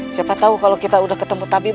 siapa tahu kalau kita sudah ketemu tabib